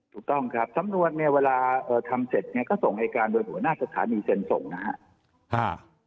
ถูกต้องครับสำนวนเนี่ยเวลาทำเสร็จเนี่ยก็ส่งอายการโดยหัวหน้าสถานีเซ็นส่งนะครับ